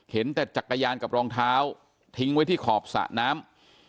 เห็นแต่จักรยานกับรองเท้าทิ้งไว้ที่ขอบสระน้ำ